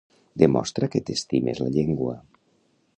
Demostra que t'estimes la llengua